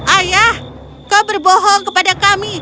ayah kau berbohong kepada kami